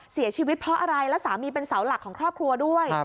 เสียชีวิตเพราะอะไรแล้วสามีเป็นเสาหลักของครอบครัวด้วย